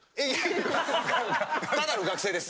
ただの学生です。